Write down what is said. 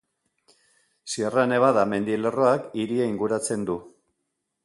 Sierra Nevada mendilerroak hiria inguratzen du.